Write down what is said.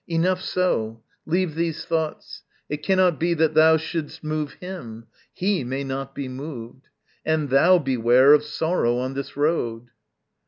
Enough so! leave these thoughts. It cannot be That thou shouldst move HIM. HE may not be moved; And thou beware of sorrow on this road.